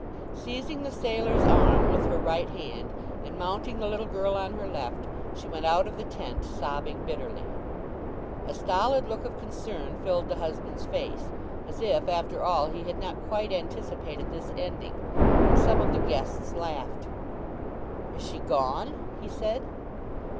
Seizing the sailor's arm with her right hand, and mounting the little girl on her left, she went out of the tent sobbing bitterly. A stolid look of concern filled the husband's face, as if, after all, he had not quite anticipated this ending; and some of the guests laughed. "Is she gone?" he said.